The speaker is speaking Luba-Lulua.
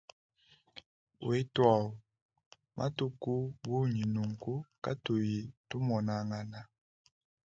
Wetuau, matuku bunyi nunku katuyi tumonangana.